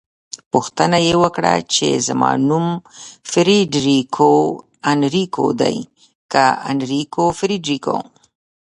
پوښتنه يې وکړه چې زما نوم فریدریکو انریکو دی که انریکو فریدریکو؟